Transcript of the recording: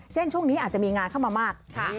ช่วงนี้อาจจะมีงานเข้ามามาก